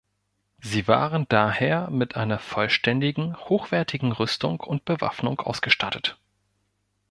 Sie waren daher mit einer vollständigen, hochwertigen Rüstung und Bewaffnung ausgestattet.